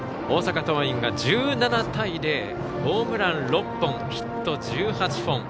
大阪桐蔭が１７対０ホームラン６本、ヒット１８本。